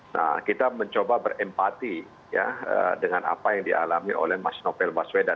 nah kita mencoba berempati ya dengan apa yang dialami oleh mas novel baswedan